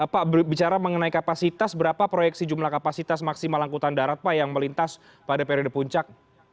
pak bicara mengenai kapasitas berapa proyeksi jumlah kapasitas maksimal angkutan darat pak yang melintas pada periode puncak